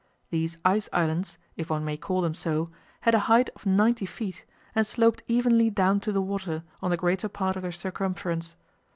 These "ice islands," if one may call them so, had a height of 90 feet and sloped evenly down to the water on the greater part of their circumference.